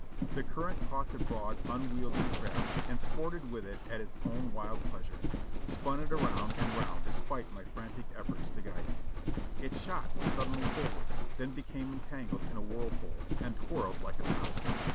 The current caught the broad, unwieldy craft and sported with it at its own wild pleasure ; spun it around and round despite my frantic ef forts to guide it. It shot suddenly forward, then became en tangled in a whirlpool and twirled like a top.